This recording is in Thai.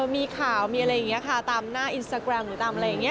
มีข่าวมีอะไรอย่างนี้ค่ะตามหน้าอินสตาแกรมหรือตามอะไรอย่างนี้